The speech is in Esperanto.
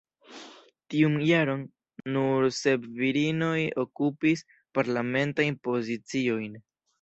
Tiun jaron, nur sep virinoj okupis parlamentajn poziciojn.